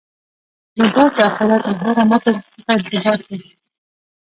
له داسې آخرت محوره متن څخه استنباط ده.